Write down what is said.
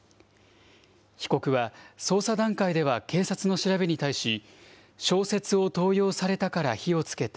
被告は、捜査段階では警察の調べに対し、小説を盗用されたから火をつけた。